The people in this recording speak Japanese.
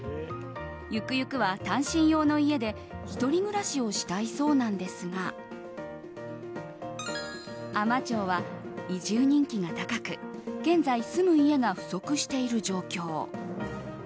ゆくゆくは単身用の家で１人暮らしをしたいそうなんですが海士町は移住人気が高く現在、住む家が不足している状況。